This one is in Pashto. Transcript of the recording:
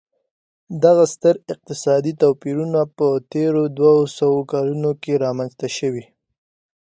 دغه ستر اقتصادي توپیرونه په تېرو دوه سوو کلونو کې رامنځته شوي.